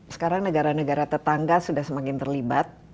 sekarang negara negara tetangga sudah semakin terlibat